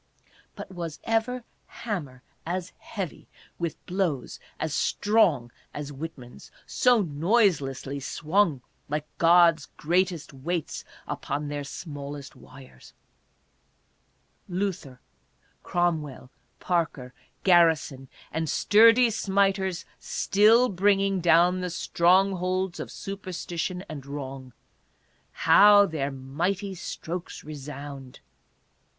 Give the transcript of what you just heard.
But was ever hammer as heavy, with blows as strong as Whitman's, so noiselessly swung, like God's greatest weights upon their smallest wires ? Luther, Cromwell, Parker, Garrison and sturdy smiters still bringing down the strongholds of superstition and wrong — how their mighty strokes resound